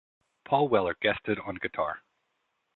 Paul Weller guested on guitar.